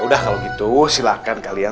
udah kalau gitu silahkan kalian